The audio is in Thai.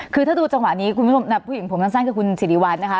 คือถ้าดูจังหวะนี้ผู้หญิงผมทั้งสั้นคือคุณสิริวัลนะคะ